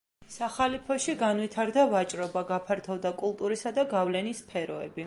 სახალიფოში განვითარდა ვაჭრობა, გაფართოვდა კულტურისა და გავლენის სფეროები.